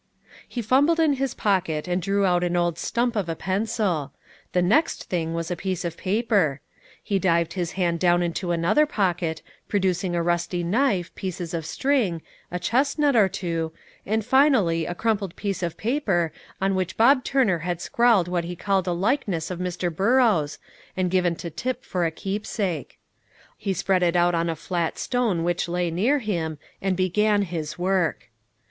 He fumbled in his pocket and drew out an old stump of a pencil. The next thing was a piece of paper; he dived his hand down into another pocket, producing a rusty knife, pieces of string, a chestnut or two, and, finally, a crumpled piece of paper on which Bob Turner had scrawled what he called a likeness of Mr. Burrows, and given to Tip for a keepsake. He spread it out on a flat stone which lay near him, and began his work.